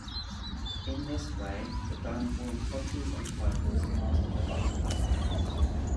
In this way, the Dunboyne properties and titles passed to the Butlers.